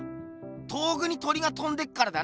遠くに鳥がとんでっからだな。